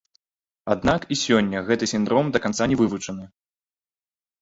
Аднак і сёння гэты сіндром да канца не вывучаны.